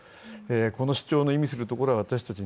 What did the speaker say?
この主張の意味するところは私たち